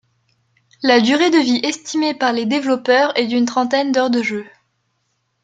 La durée de vie estimée par les développeurs est d'une trentaine d'heures de jeu.